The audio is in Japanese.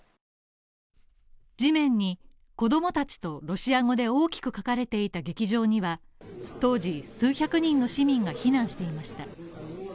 地面に「子供たち」とロシア語で大きく書かれていた劇場には当時、数百人の市民が避難していました。